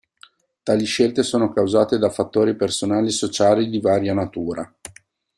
Tali scelte sono causate da fattori personali e sociali di varia natura.